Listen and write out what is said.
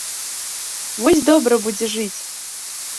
Вось добра будзе жыць!